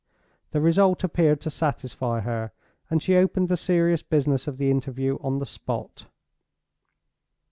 The result appeared to satisfy her, and she opened the serious business of the interview on the spot.